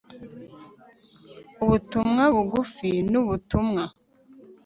ubutumwa bugufi nubutumwa